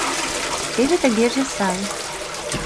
— Теве тыгеже сай.